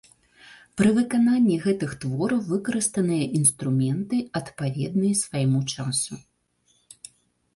Пры выкананні гэтых твораў выкарыстаныя інструменты, адпаведныя свайму часу.